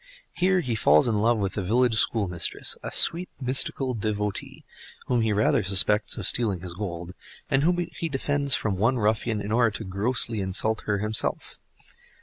Here he falls in love with the village schoolmistress, a sweet mystical devotee, whom he rather suspects of stealing his gold, and whom he defends from one ruffian in order to grossly insult her himself.